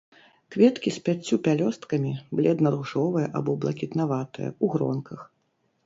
Кветкі з пяццю пялёсткамі, бледна-ружовыя або блакітнаватыя, у гронках.